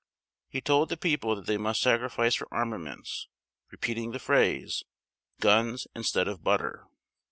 He told the people that they must sacrifice for armaments, repeating the phrase, "Guns instead of butter."